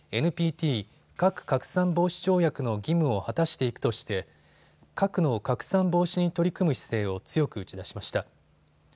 ＮＰＴ・核拡散防止条約の義務を果たしていくとして核の拡散防止に取り組む姿勢を強く打ち出しました。